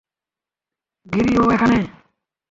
গিরি, ও এখানে।